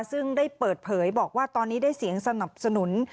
ซึ่งได้เปิดเผยบอกว่าตอนนี้ได้เสียงสนับสนุน